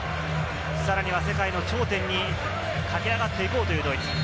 さらに世界の頂点に駆け上がっていこうというドイツ。